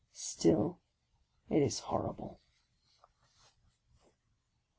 still it is horrible.